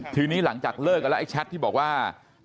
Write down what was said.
ทีนี้หลังจากเลิกกันแล้วไอ้แชทที่บอกว่า